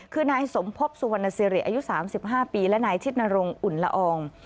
คือนายสมพบสุวรรณสิริอายุ๓๕ปีและนายชิดนรงค์อุ่นละออง